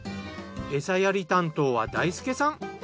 エサやり担当は大輔さん。